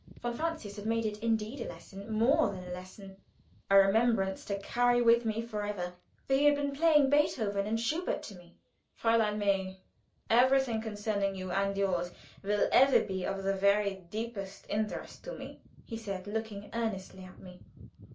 Von Francius had made it indeed a lesson, more than a lesson, a remembrance to carry with me forever, for he had been playing Beethoven and Schubert to me. "Fräulein May, everything concerning you and yours will ever be of the very deepest interest to me," he said, looking earnestly at me.